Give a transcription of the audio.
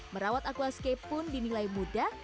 merawat aquascape pun dinilai mudah